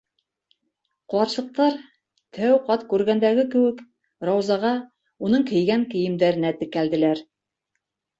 Ҡарсыҡтар, тәү ҡат күргәндәге кеүек, Раузаға, уның кейгән кейемдәренә текәлделәр.